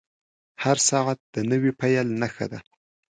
• هر ساعت د نوې پیل نښه ده.